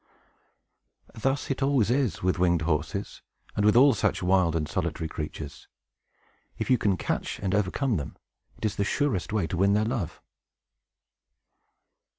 Thus it always is with winged horses, and with all such wild and solitary creatures. If you can catch and overcome them, it is the surest way to win their love.